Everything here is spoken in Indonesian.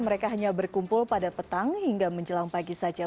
mereka hanya berkumpul pada petang hingga menjelang pagi saja